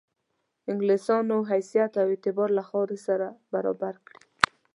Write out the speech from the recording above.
انګلیسیانو حیثیت او اعتبار له خاورو سره برابر کړي.